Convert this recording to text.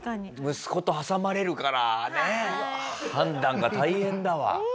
息子と挟まれるからね判断が大変だわ。